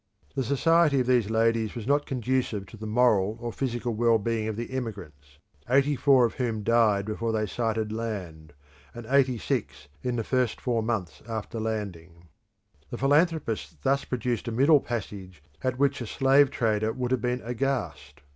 The society of these ladies was not conducive to the moral or physical well being of the emigrants, eighty four of whom died before they sighted land, and eighty six in the first four months after landing. The philanthropists thus produced a middle passage at which a slave trader would have been aghast.